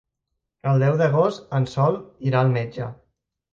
El deu d'agost en Sol irà al metge.